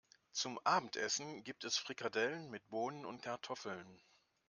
Zum Abendessen gibt es Frikadellen mit Bohnen und Kartoffeln.